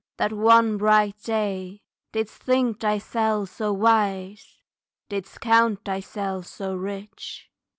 That one bright day Didst think thyself so wise didst count thyself So rich?